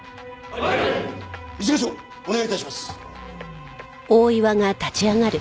はい！